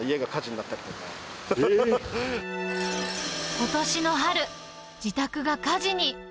ことしの春、自宅が火事に。